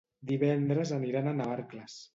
Divendres aniran a Navarcles.